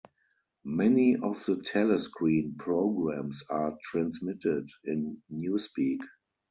Many of the telescreen programmes are transmitted in Newspeak.